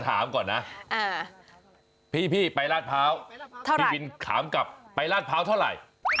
เท่าไหร่พี่วินถามกับไปราชเผาเท่าไหร่